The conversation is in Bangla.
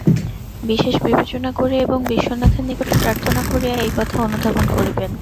বিশেষ বিবেচনা করিয়া এবং বিশ্বনাথের নিকট প্রার্থনা করিয়া এই কথা অনুধাবন করিবেন।